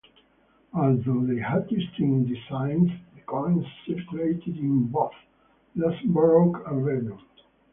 Although they had distinct designs, the coins circulated in both Luxembourg and Belgium.